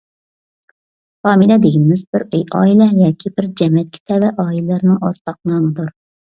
فامىلە دېگىنىمىز بىر ئۆي، ئائىلە ياكى بىر جەمەتكە تەۋە ئائىلىلەرنىڭ ئورتاق نامىدۇر.